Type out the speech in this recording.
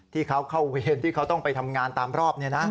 ที่เขาเข้าเวรที่เขาต้องไปทำงานตามรอบ